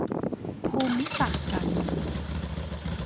ภูมิศาสตร์การเมือง